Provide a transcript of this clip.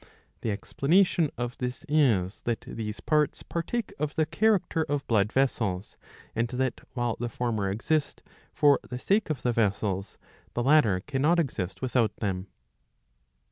The expla nation of this is that these parts partake of the character of blood vessels, and that while the former exist for the sake of the vessels, the latter cannot exist without them.